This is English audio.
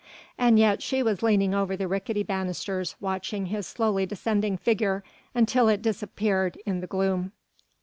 And yet she was leaning over the ricketty banisters watching his slowly descending figure, until it disappeared in the gloom.